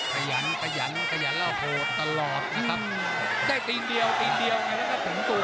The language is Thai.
กระหยันแล้วโหตลอดนะครับได้ตีนเดียวตีนเดียวแล้วก็ถึงตัว